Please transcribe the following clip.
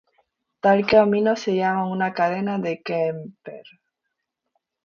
Tal camino se llama una cadena de Kempe.